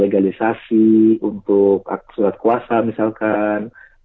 legalisasi untuk surat kuasa misalkan